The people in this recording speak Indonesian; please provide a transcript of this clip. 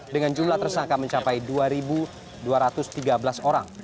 dengan jumlah tersangka mencapai dua dua ratus tiga belas orang